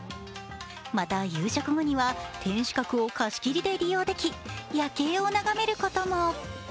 また、夕食後には天守閣を貸し切りで利用でき夜景を眺めることも。